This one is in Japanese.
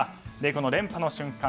この連覇の瞬間